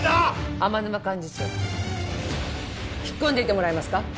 天沼幹事長引っ込んでいてもらえますか？